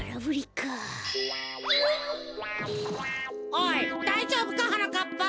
おいだいじょうぶかはなかっぱ。